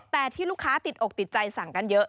แต่ที่ลูกค้าติดอกติดใจสั่งกันเยอะ